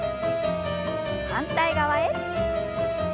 反対側へ。